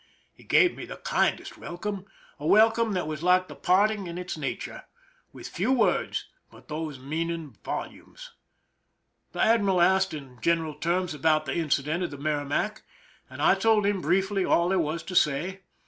He gave me the kindest wel come—a welcome that was like the parting in its nature, with few words, but those few meaning volumes. The admiral asked in general terms about the incident of the MerrimaCj and I told him briefly all there was to say.